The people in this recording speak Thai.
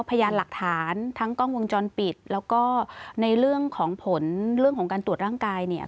พยานหลักฐานทั้งกล้องวงจรปิดแล้วก็ในเรื่องของผลเรื่องของการตรวจร่างกายเนี่ย